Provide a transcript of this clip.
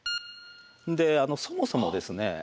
であのそもそもですね